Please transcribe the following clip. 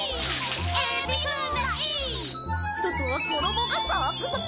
外は衣がサークサク！